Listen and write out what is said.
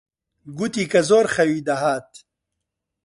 گوتی کە زۆر خەوی دەهات.